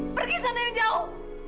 pergi sana yang jauh